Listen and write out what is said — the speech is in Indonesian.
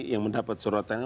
yang mendapat suratannya